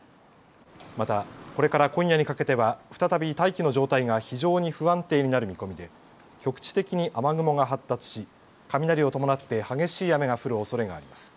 また、これから今夜にかけては再び大気の状態が非常に不安定になる見込みで局地的に雨雲が発達し、雷を伴って激しい雨が降るおそれがあります。